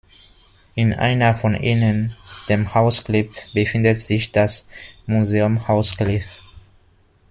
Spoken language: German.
In einer von ihnen, dem Haus Cleff, befindet sich das "Museum Haus Cleff".